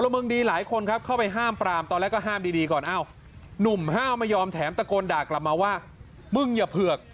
เมืองดีหลายคนครับเข้าไปห้ามปรามตอนแรกก็ห้ามดีก่อนอ้าวหนุ่มห้าวไม่ยอมแถมตะโกนด่ากลับมาว่ามึงอย่าเผือก